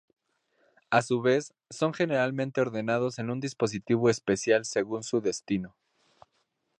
A su vez, son generalmente ordenados en un dispositivo especial según su destino.